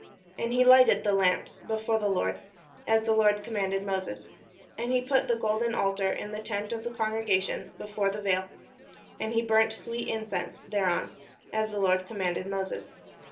And he lighted the lamps before the Lord; as the Lord commanded Moses. And he put the golden altar in the tent of the congregation before the vail: and he burnt sweet incense thereon; as the Lord com manded Moses.